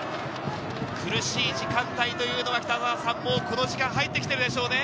苦しい時間帯というのは、この時間、入ってきてるでしょうね。